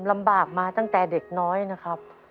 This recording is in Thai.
ลำบากมาตั้งแต่เด็กน้อยนะครับ